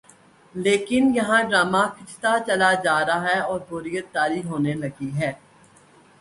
لیکن یہاں ڈرامہ کھنچتا چلا جارہاہے اوربوریت طاری ہونے لگی ہے۔